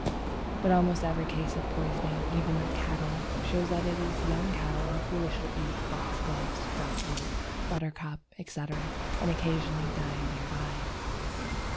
But almost every case of poisoning, even of cattle, shows that it is young cattle who foolishly eat foxgloves, dropwort, buttercup, etc., and occasionally die thereby.